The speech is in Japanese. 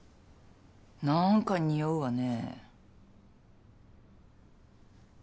何かにおうわね。